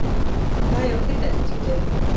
دا یو ښه ترکیب دی.